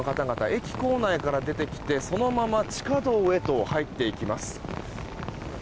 駅構内から出てきてそのまま地下道へと入っていきます。